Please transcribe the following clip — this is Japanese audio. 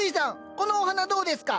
このお花どうですか？